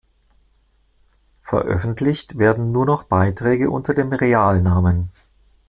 Veröffentlicht werden nur noch Beiträge unter dem Real-Namen.